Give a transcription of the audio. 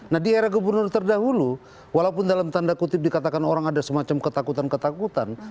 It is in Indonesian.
nah di era gubernur terdahulu walaupun dalam tanda kutip dikatakan orang ada semacam ketakutan ketakutan